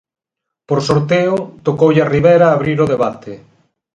Por sorteo, tocoulle a Rivera abrir o debate.